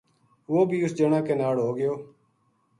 وہ بھی اِس جنا کے ناڑ ہو گیو